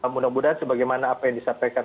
mudah mudahan sebagaimana apa yang disampaikan